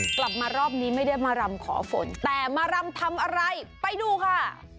กลับมารอบนี้ไม่ได้มารำขอฝนแต่มารำทำอะไรไปดูค่ะ